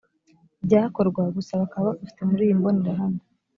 byakorwa gusa bakaba bagafite muri iyi mbonerahamwe